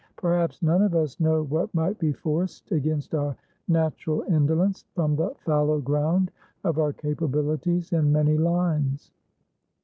Perhaps none of us know what might be forced, against our natural indolence, from the fallow ground of our capabilities in many lines.